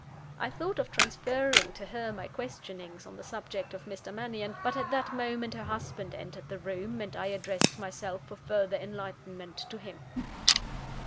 I thought of transferring to her my questionings on the subject of Mr. Mannion; but at that moment her husband entered the room, and I addressed myself for further enlightenment to him.